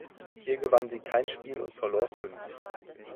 Hier gewann sie kein Spiel und verlor fünf.